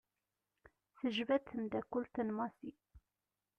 Tejba-d temddakelt n Massi.